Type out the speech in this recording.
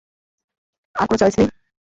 আর কোনো চয়েস নেই।